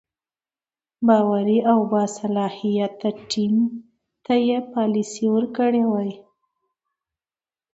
باوري او باصلاحیته ټیم ته یې پالیسي ورکړې وای.